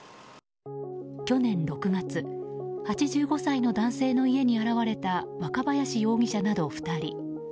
去年６月、８５歳の男性の家に現れた若林容疑者など２人。